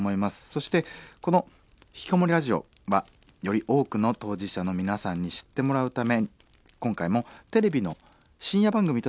そしてこの「ひきこもりラジオ」はより多くの当事者の皆さんに知ってもらうため今回もテレビの深夜番組として再放送したいと思います。